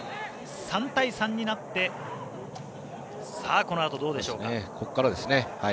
３対３になってこのあと、どうでしょうか。